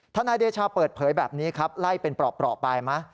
นายเดชาเปิดเผยแบบนี้ครับไล่เป็นปลอกไปไหม